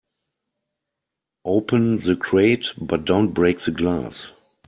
Open the crate but don't break the glass.